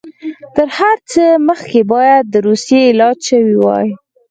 تر هر څه مخکې باید د روسیې علاج شوی وای.